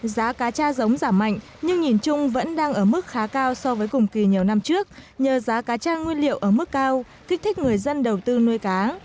giá cá cha giống giảm mạnh nhưng nhìn chung vẫn đang ở mức khá cao so với cùng kỳ nhiều năm trước nhờ giá cá cha nguyên liệu ở mức cao kích thích người dân đầu tư nuôi cá